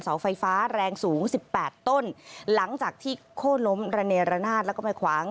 เสาไฟฟ้าแรงสูงสิบแปดต้นหลังจากที่โค้นล้มระเนรนาศแล้วก็ไปขวาง